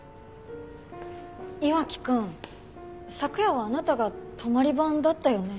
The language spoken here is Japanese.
岩城くん昨夜はあなたが泊まり番だったよね？